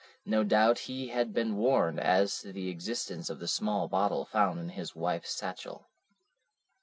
No doubt he had been warned as to the existence of the small bottle found in his wife's satchel.